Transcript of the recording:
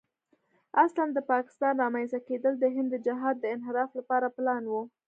اصلاً د پاکستان رامنځته کېدل د هند د جهاد د انحراف لپاره پلان و.